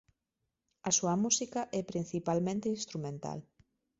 A súa música é principalmente instrumental.